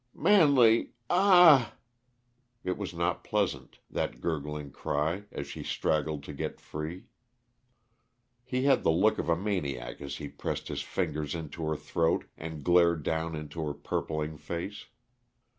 "Manley! Ah h h " It was not pleasant that gurgling cry, as she straggled to get free. He had the look of a maniac as he pressed his fingers into her throat and glared down into her purpling face.